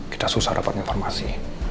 kita susah dapat informasi